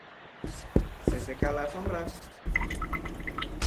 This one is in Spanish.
Se seca a la sombra.